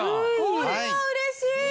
これはうれしい！